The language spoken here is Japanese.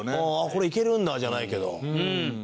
「これいけるんだ」じゃないけど。